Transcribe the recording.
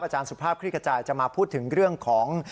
อาจารย์สุภาพคลิกจัยจะมาพูดถึงเรื่องของ